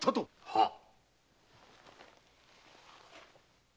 はっ。